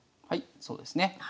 はいそうですね。